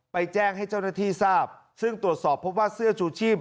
แจ้งให้เจ้าหน้าที่ทราบซึ่งตรวจสอบพบว่าเสื้อชูชีพ